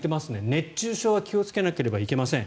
熱中症は気をつけなければいけません。